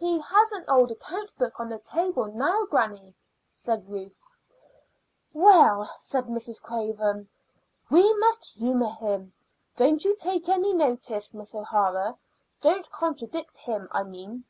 "He has an old account book on the table now, granny," said Ruth. "Well," said Mrs. Craven, "we must humor him. Don't you take any notice, Miss O'Hara; don't contradict him, I mean."